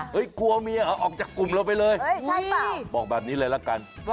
เฮ้ยกลัวเมียออกจากกลุ่มเราไปเลย